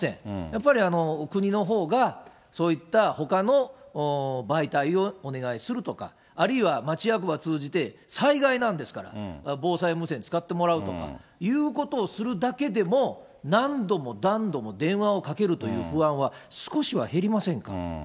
やっぱり国のほうが、そういったほかの媒体をお願いするとか、あるいは町役場を通じて、災害なんですから、防災無線使ってもらうとかということをするだけでも何度も何度も電話をかけるという不安は少しは減りませんか？